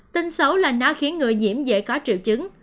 tin xấu là nó khiến người nhiễm dễ có triệu chứng